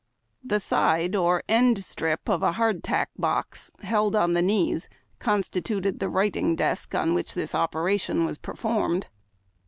Tlie side or end stri]) of a hardtack box, held on the knees, constituted the writing desk on which this operation was performed.